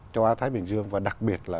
châu á thái bình dương và đặc biệt là